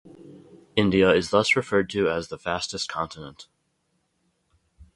India is thus referred to as the "fastest continent".